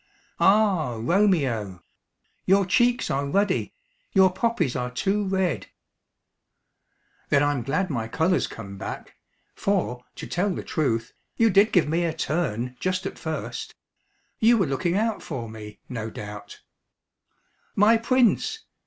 "Ah, Romeo! Your cheeks are ruddy your poppies are too red." "Then I'm glad my colour's come back; for, to tell the truth, you did give me a turn, just at first. You were looking out for me, no doubt " "My Prince!"